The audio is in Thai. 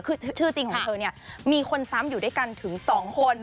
คือชื่อจริงของเธอเนี่ยมีคนซ้ำอยู่ด้วยกันถึง๒คน